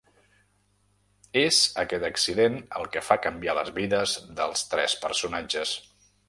És aquest accident el que fa canviar les vides dels tres personatges.